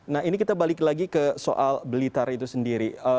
nah ini kita balik lagi ke soal blitar itu sendiri